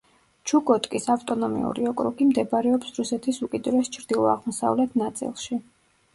ჩუკოტკის ავტონომიური ოკრუგი მდებარეობს რუსეთის უკიდურეს ჩრდილო-აღმოსავლეთ ნაწილში.